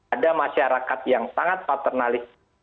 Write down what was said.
ada masyarakat yang sangat paternalis